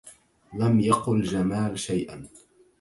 لم يقل جمال شيئا.